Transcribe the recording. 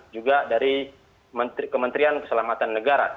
juga dari kementerian keselamatan negara